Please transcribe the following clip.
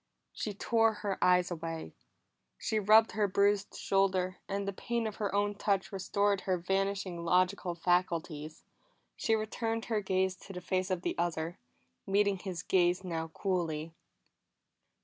She tore her eyes away. She rubbed her bruised shoulder, and the pain of her own touch restored her vanishing logical faculties. She returned her gaze to the face of the other, meeting his gaze now coolly.